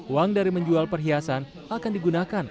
uang dari menjual perhiasan akan digunakan